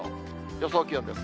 予想気温です。